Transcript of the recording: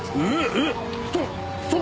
えっ！？